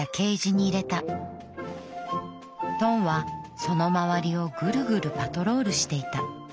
トンはその周りをぐるぐるパトロールしていた。